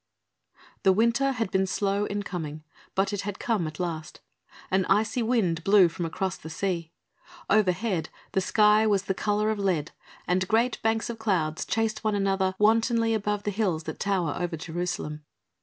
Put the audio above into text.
The winter had been slow in coming, but it had come at last. An icy wind blew from across the sea. Overhead the sky was the colour of lead and great banks of clouds chased one another wantonly above the hills that tower over Jerusalem.